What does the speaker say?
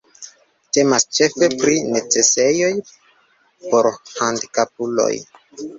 Temas ĉefe pri necesejoj por handikapuloj.